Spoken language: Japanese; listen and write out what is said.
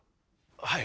はい。